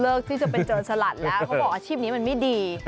ที่จะเป็นโจรสลัดแล้วเขาบอกอาชีพนี้มันไม่ดี